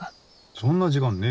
そんな時間ねえよ。